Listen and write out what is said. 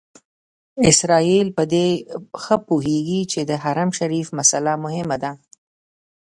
اسرائیل په دې ښه پوهېږي چې د حرم شریف مسئله مهمه ده.